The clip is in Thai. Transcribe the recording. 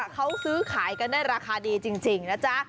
เขาซื้อขายกันได้ราคาดีจริงนะจ๊ะ